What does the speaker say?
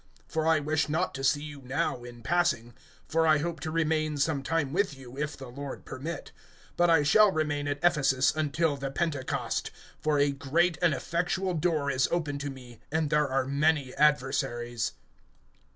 (7)For I wish not to see you now, in passing; for I hope to remain some time with you, if the Lord permit. (8)But I shall remain at Ephesus until the Pentecost. (9)For a great and effectual door is open to me, and there are many adversaries.